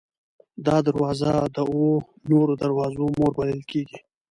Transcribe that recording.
دا دروازه د اوو نورو دروازو مور بلل کېږي.